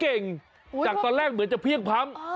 เก่งจากตอนแรกเหมือนจะเพียงพัม